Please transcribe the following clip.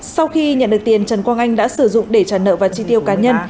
sau khi nhận được tiền trần quang anh đã sử dụng để trả nợ và chi tiêu cá nhân